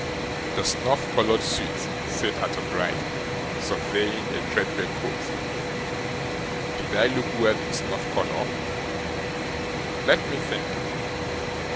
'The snuff coloured suit,' said Arthur Gride, surveying a threadbare coat. 'Did I look well in snuff colour? Let me think.